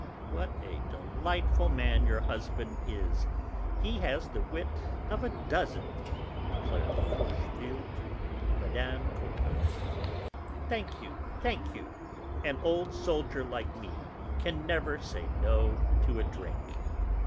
"What a delightful man your husband is; he has the wit of a dozen!" declared Forcheville to Mme. Cottard. "Thank you, thank you, an old soldier like me can never say 'No' to a drink."